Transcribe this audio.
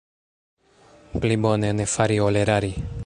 Pli bone ne fari, ol erari.